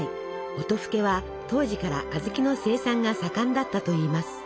音更は当時から小豆の生産が盛んだったといいます。